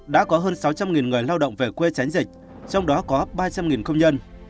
đã có hơn sáu trăm linh người lao động về quê tránh dịch trong đó có ba trăm linh công nhân